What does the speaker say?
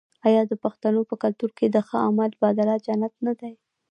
آیا د پښتنو په کلتور کې د ښه عمل بدله جنت نه دی؟